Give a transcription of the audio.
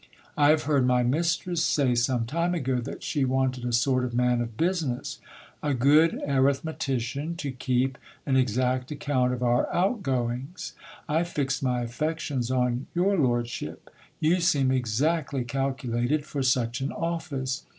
I have heard my mistress say some time ago, that she wanted a sort of man of business ; a good arithmetician, to keep an exact account of our outgoings. I fixed my affections on your lordship ; you seem exactly calculated for such an office.